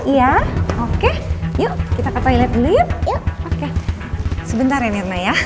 ya oke yuk kita ke toilet liat sebentar ya ya ya